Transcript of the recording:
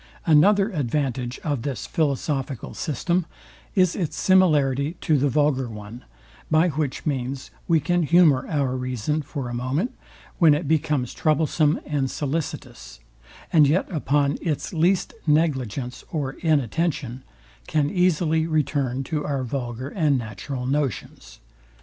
Another advantage of this philosophical system is its similarity to the vulgar one; by which means we can humour our reason for a moment, when it becomes troublesome and sollicitous; and yet upon its least negligence or inattention, can easily return to our vulgar and natural notions.